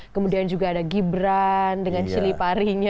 kemudian juga ada gibran dengan cili parinya